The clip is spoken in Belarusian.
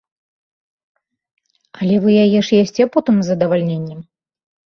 Але вы яе ж ясце потым з задавальненнем.